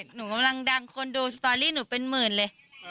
หนูกำลังดังคนดูสตอรี่หนูเป็นหมื่นเลย